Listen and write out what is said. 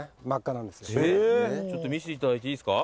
見せていただいていいですか？